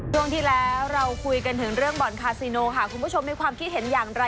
ช่วงที่แล้วเราคุยกันถึงเรื่องบ่อนคาซิโนค่ะคุณผู้ชมมีความคิดเห็นอย่างไร